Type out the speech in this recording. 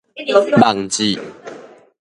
網誌